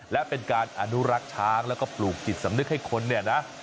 และเป็นการอนุรักษ์ช้างแล้วก็ปลูกจิตสำนึกให้คนเนี่ยนะ